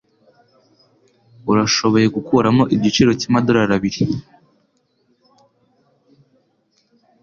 Urashobora gukuramo igiciro cyamadorari abiri?